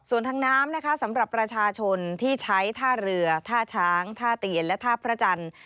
ส่วนทางน้ำนะคะสำหรับประชาชนที่ใช้ท่าเรือท่าช้างท่าเตียนและท่าพระจันทร์